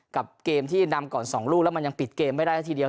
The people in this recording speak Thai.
กับเกมที่นำก่อน๒ลูกแล้วมันยังปิดเกมไม่ได้แล้วทีเดียว